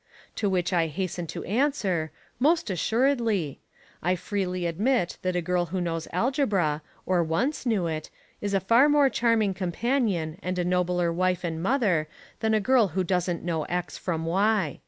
To which I hasten to answer: most assuredly. I freely admit that a girl who knows algebra, or once knew it, is a far more charming companion and a nobler wife and mother than a girl who doesn't know x from y.